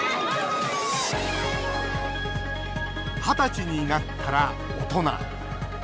二十歳になったら大人。